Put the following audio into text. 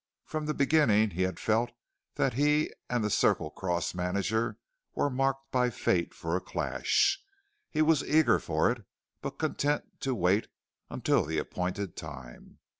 From the beginning he had felt that he and the Circle Cross manager were marked by fate for a clash. He was eager for it, but content to wait until the appointed time.